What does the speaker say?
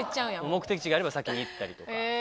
目的地があれば先に行ったりとか。